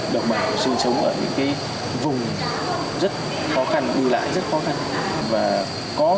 đồng bào sinh sống ở những vùng rất khó khăn ưu lãi rất khó khăn